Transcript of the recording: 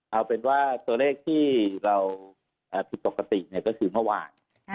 เอาเป็นว่าตัวเลขที่เราผิดปกติก็คือเมื่อวาน